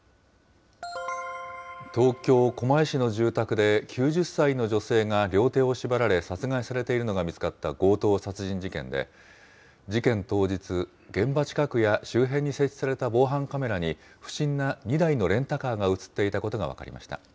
東京・狛江市の住宅で９０歳の女性が両手を縛られ殺害されているのが見つかった強盗殺人事件で、事件当日、現場近くや周辺に設置された防犯カメラに不審な２台のレンタカーが写っていたことが分かりました。